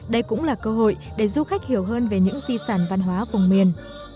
đây cũng là cơ hội để du khách hiểu hơn về những di sản văn hóa vùng miền